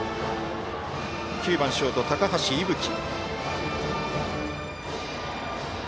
９番ショート、高橋歩希。